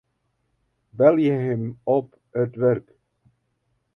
Belje him op it wurk.